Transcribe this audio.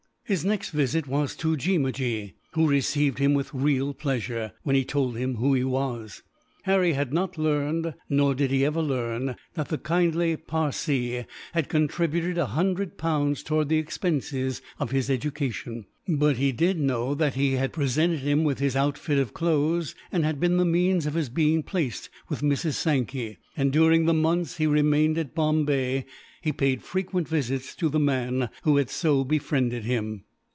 His next visit was to Jeemajee, who received him with real pleasure, when he told him who he was. Harry had not learned nor did he ever learn that the kindly Parsee had contributed a hundred pounds towards the expenses of his education; but he did know that he had presented him with his outfit of clothes, and had been the means of his being placed with Mrs. Sankey; and during the months he remained at Bombay, he paid frequent visits to the man who had so befriended him.